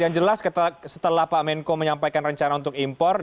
yang jelas setelah pak menko menyampaikan rencana untuk impor